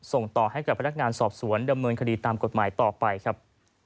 ส่งต่อให้กับพนักงานสอบสวนดำเนินคดีตามกฎหมายต่อไปครับ